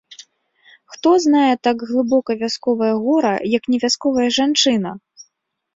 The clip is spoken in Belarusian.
Хто знае так глыбока вясковае гора, як не вясковая жанчына?!